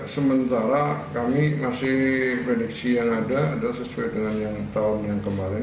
sementara kami masih prediksi yang ada adalah sesuai dengan yang tahun yang kemarin